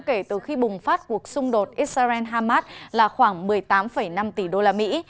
kể từ khi bùng phát cuộc xung đột israel harmat là khoảng một mươi tám năm tỷ usd